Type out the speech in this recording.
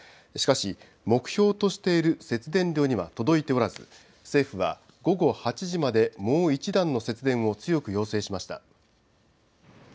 しかし、目標としている節電量には届いておらず、政府は午後８時までもう一段の節電を強く要請しました。